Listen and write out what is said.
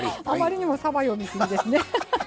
あまりにもさば読み過ぎですね！